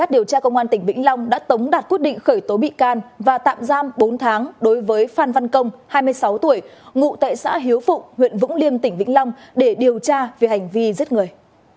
điều tra công an tỉnh vĩnh long đã tống đạt quyết định khởi tố bị can và tạm giam bốn tháng đối với phan văn công hai mươi sáu tuổi ngụ tại xã hiếu phụng huyện vũng liêm tỉnh vĩnh long để điều tra về hành vi giết người